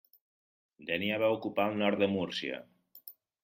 Dénia va ocupar el nord de Múrcia.